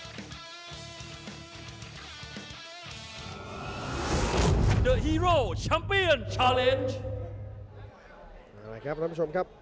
ครับท่านผู้ชมครับ